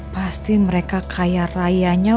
pasti mereka kaya rayanya